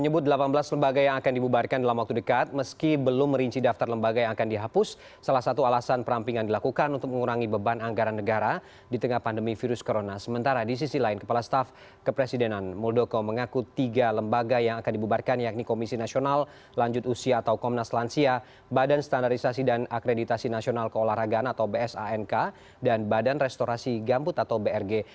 badan restorasi gambut atau brg